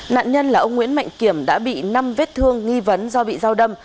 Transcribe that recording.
nạn nhân là ông nguyễn mạnh kiểm đã bị năm vết thương nghi vấn do bị dao đâm